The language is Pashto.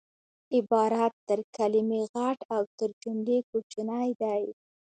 عبارت تر کلیمې غټ او تر جملې کوچنی دئ